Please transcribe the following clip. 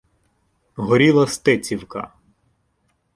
Горіла Стецівка.